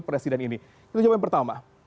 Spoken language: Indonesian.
presiden ini kita coba yang pertama